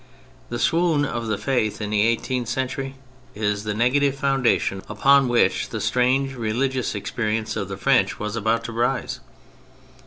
The swoon of the Faith in the eighteenth century is the negative foundation upon which the strange religious experience of the French was about to rise.